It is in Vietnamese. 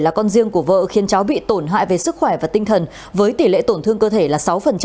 là con riêng của vợ khiến cháu bị tổn hại về sức khỏe và tinh thần với tỷ lệ tổn thương cơ thể là sáu